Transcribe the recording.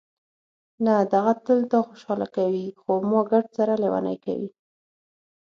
نه، دغه تل تا خوشحاله کوي، خو ما ګردسره لېونۍ کوي.